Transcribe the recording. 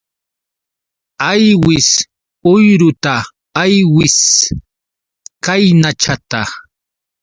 Aywis uyruta aywis kaynachata.